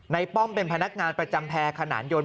ป้อมเป็นพนักงานประจำแพรขนานยนต